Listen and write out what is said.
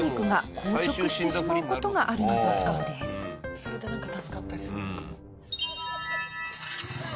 それでなんか助かったりするのかも。